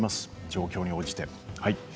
状況に応じて。